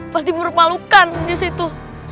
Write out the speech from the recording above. pasti merupalukan disitu